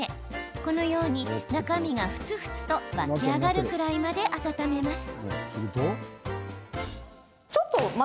このように中身がふつふつと沸き上がるくらいまで温めます。